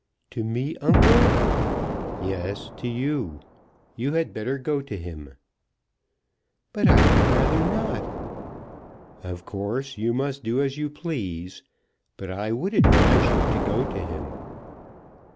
"To me, uncle?" "Yes, to you. You had better go to him." "But I had rather not." "Of course you must do as you please, but I would advise you to go to him."